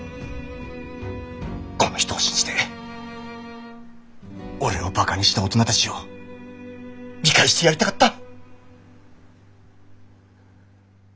この人を信じて俺をバカにした大人たちを見返してやりたかった。